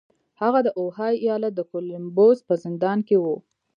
هغه د اوهايو ايالت د کولمبوس په زندان کې و.